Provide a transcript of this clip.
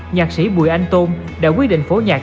nhạc sĩ bùi anh tôn đã quyết định phổ nhạc